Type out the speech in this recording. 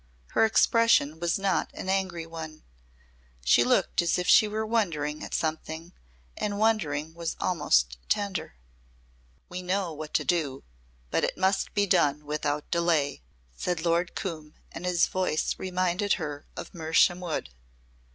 Her expression was not an angry one. She looked as if she were wondering at something and the wondering was almost tender. "We know what to do. But it must be done without delay," said Lord Coombe and his voice reminded her of Mersham Wood.